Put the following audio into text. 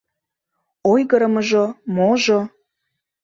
— Ойгырымыжо-можо...